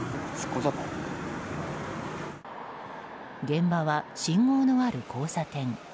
現場は信号のある交差点。